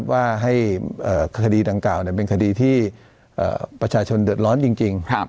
ว่าให้คดีดังกล่าวเป็นคดีที่ประชาชนเดือดร้อนจริง